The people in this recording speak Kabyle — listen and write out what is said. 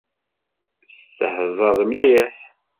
Testehzaḍ mliḥ.